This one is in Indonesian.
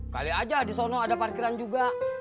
kali aja di sana ada parkiran juga